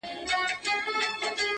که نه نو ولي بيا جواب راکوي ـ